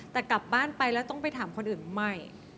แต่กลับบ้านไปแล้วต้องไปถามคนอื่นไม่